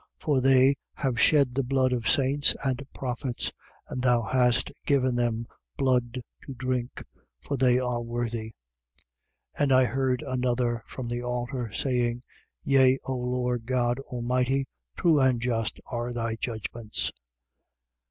16:6. For they have shed the blood of saints and prophets: and thou hast given them blood to drink. For they are worthy. 16:7. And I heard another, from the altar, saying: Yea, O Lord God Almighty, true and just are thy judgments.